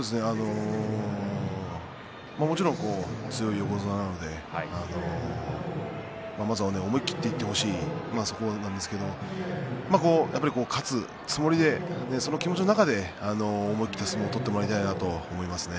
もちろん強い横綱なのでまずは思い切っていってほしいというところなんですけれど勝つつもりで、その気持ちの中で思い切った相撲を取ってもらいたいなと思いますね。